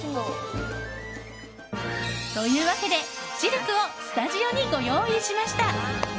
というわけでＣＨＩＬＫをスタジオにご用意しました。